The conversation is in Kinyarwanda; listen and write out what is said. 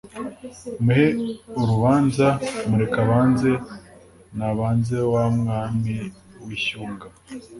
Muhe urubanza mureke abanze Nabanze wa Mwami w'I Shyunga,